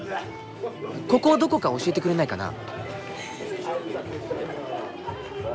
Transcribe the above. ここどこか教えてくれないかな？